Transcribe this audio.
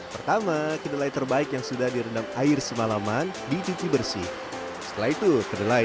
pertama kedelai terbaik yang sudah direndam air semalaman dicuci bersih setelah itu kedelai